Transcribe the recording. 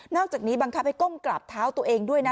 อกจากนี้บังคับให้ก้มกราบเท้าตัวเองด้วยนะ